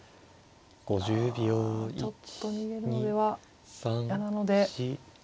いやちょっと逃げるのでは嫌なので。